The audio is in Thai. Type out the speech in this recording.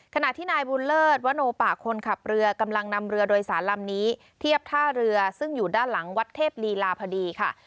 ขณะที่นายบุญเลิศวโนป่าคนขับเรือกำลังนำเรือโดยสารลำนี้เทียบท่าเรือซึ่งอยู่ด้านหลังวัดเทพลีลาพอดีค่ะ